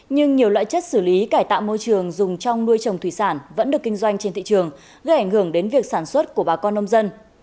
nhưng nhiều loại chất xử lý cải tạo môi trường dùng trong nuôi trồng thủy sản vẫn được kinh doanh trên thị trường gây ảnh hưởng đến việc sản xuất của bà con nông dân